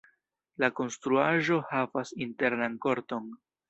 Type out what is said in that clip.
La konstruaĵo havas internan korton.